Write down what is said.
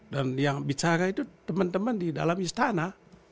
dan yang bicara itu teman teman di dalam istana